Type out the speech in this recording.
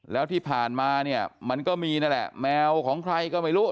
แล้วที่ผ่านมาเนี่ยมันก็มีนั่นแหละแมวของใครก็ไม่รู้